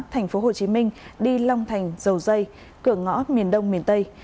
tp hcm đi long thành dầu dây cửa ngõ miền đông miền tây